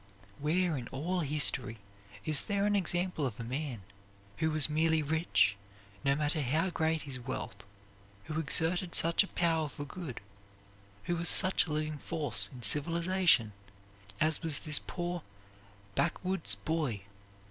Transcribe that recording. Where, in all history, is there an example of a man who was merely rich, no matter how great his wealth, who exerted such a power for good, who was such a living force in civilization, as was this poor backwoods boy?